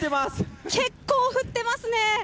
結構降っていますね。